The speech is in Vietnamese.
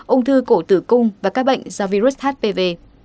ung thư cổ tử cung và các bệnh do virus hpv